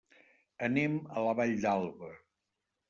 Anem a la Vall d'Alba.